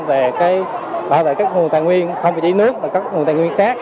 về bảo vệ các nguồn tài nguyên không chỉ nước mà các nguồn tài nguyên khác